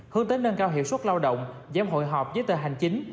hướng tới nâng cao hiệu suất lao động giám hội họp với tờ hành chính